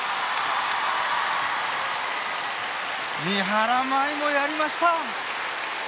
三原舞依もやりました！